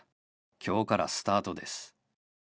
今日からスタートです。